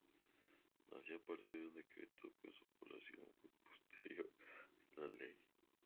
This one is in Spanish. Nació a partir de un decreto, pues su poblamiento fue posterior a la ley.